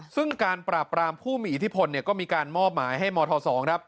ซึ่งการปราบรามผู้มีอิทธิพลก็มีการมอบหมายให้มธ๒ครับ